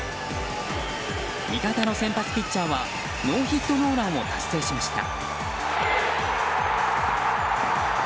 味方の先発ピッチャーはノーヒットノーランを達成しました。